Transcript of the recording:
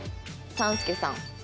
３助さん。